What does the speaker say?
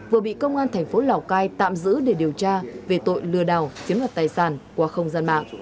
vừa bị công an thành phố lào cai tạm giữ để điều tra về tội lừa đảo chiếm đoạt tài sản qua không gian mạng